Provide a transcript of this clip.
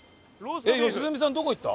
良純さんどこ行った？